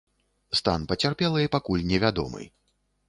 Стан пацярпелай пакуль невядомы.